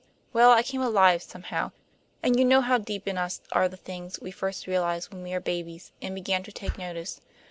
Well, I came alive somehow; and you know how deep in us are the things we first realize when we were babies and began to take notice.